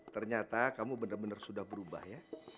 ternyata kamu bener bener sudah berubah ya